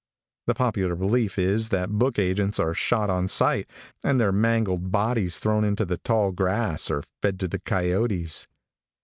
"The popular belief is that book agents are shot on sight and their mangled bodies thrown into the tall grass or fed to the coyotes.